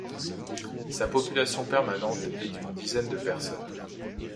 Sa population permanente est d'une dizaine de personnes.